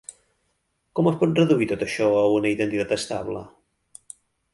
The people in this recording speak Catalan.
Com es pot reduir tot això a una identitat estable?